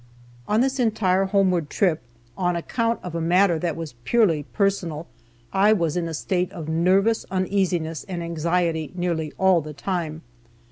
On this entire homeward trip, on account of a matter that was purely personal, I was in a state of nervous uneasiness and anxiety nearly all the time.